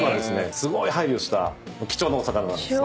すごい配慮した貴重なお魚なんです。